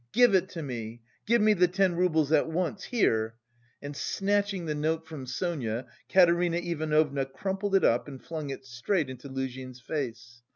Give it to me! Give me the ten roubles at once here!" And snatching the note from Sonia, Katerina Ivanovna crumpled it up and flung it straight into Luzhin's face.